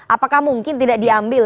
apakah mungkin tidak diambil